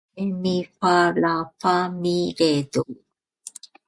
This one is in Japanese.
ドレミファソーラファ、ミ、レ、ドー